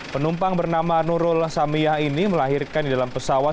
penumpang bernama nurul samiyah ini melahirkan di dalam pesawat